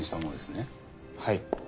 はい。